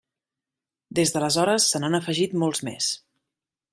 Des d'aleshores se n'han afegit molts més.